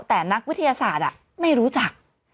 แต่นักวิทยาศาสตร์ไม่รู้จัก